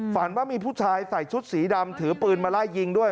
ฝันว่ามีผู้ชายใส่ชุดสีดำถือปืนมาไล่ยิงด้วย